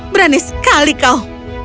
berani sekali kau